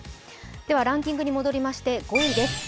ランキングに戻りまして５位です。